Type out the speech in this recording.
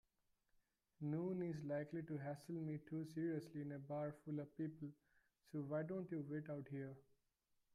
Noone is likely to hassle me too seriously in a bar full of people, so why don't you wait out here?